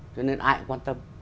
cho nên ai cũng quan tâm